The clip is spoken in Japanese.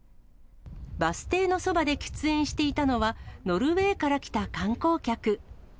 バス停のそばで喫煙していたのは、ノルウェーから来た観光客。